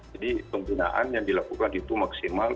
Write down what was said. jadi pembinaan yang dilakukan itu maksimal